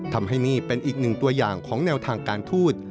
ทำให้นี่เป็นอีกหนึ่งตัวอย่างของแนวทางการทูต